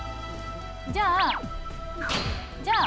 じゃあじゃあ。